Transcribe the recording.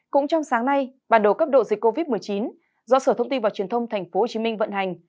cũng trong sáng nay bản đồ cấp độ dịch covid một mươi chín do sở thông tin và truyền thông tp hcm vận hành